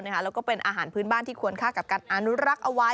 แล้วก็เป็นอาหารพื้นบ้านที่ควรค่ากับการอนุรักษ์เอาไว้